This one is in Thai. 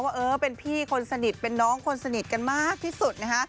ว่าเออเป็นพี่คนสนิทเป็นน้องคนสนิทกันมากที่สุดนะคะ